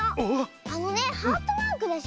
あのねハートマークでしょ。